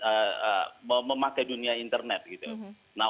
kan generasi yang memakai gawai yang difasilitasi oleh anak ini